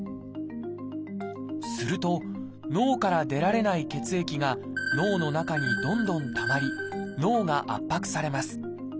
すると脳から出られない血液が脳の中にどんどんたまり脳が圧迫されます。